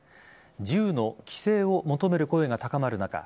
銃の規制を求める声が高まる中